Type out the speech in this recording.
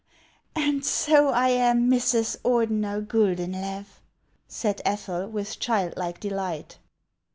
" And so I am Mrs. Ordener Guldenlew !" said Ethel, with child like delight.